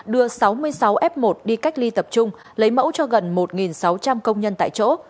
đưa sáu mươi sáu f một đi cách ly tập trung lấy mẫu cho gần một sáu trăm linh công nhân tại chỗ